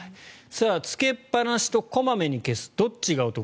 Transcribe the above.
つけっぱなしと小まめに消すどっちがお得。